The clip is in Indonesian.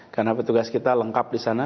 karena petugas kita lengkap disana